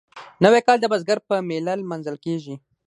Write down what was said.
نوی کال د بزګر په میله لمانځل کیږي.